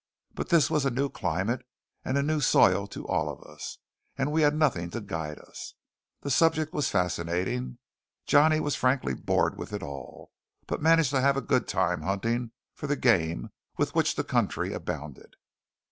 But this was a new climate and a new soil to all of us; and we had nothing to guide us. The subject was fascinating. Johnny was frankly bored with it all, but managed to have a good time hunting for the game with which the country abounded.